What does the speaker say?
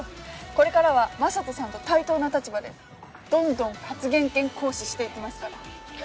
これからは雅人さんと対等な立場でどんどん発言権行使していきますから。